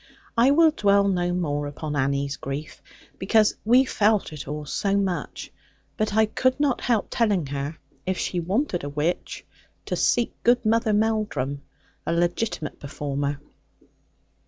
I will dwell no more upon Annie's grief, because we felt it all so much. But I could not help telling her, if she wanted a witch, to seek good Mother Melldrum, a legitimate performer.